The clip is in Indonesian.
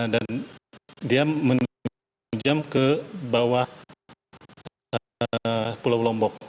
dan dia menunjukkan jam ke bawah pulau lombok